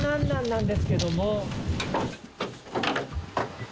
なんですけども。